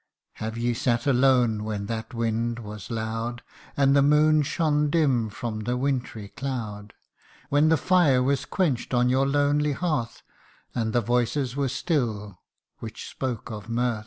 Have ye sat alone when that wind was loud, And the moon shone dim from the wintry cloud ? When the fire was quench'd on your lonely hearth, And the voices were still which spoke of mirth